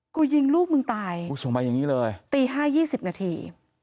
กูยิงลูกมึงตายตี๕นาที๒๐นาที